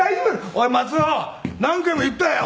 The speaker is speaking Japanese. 「おい松尾何回も言ったよ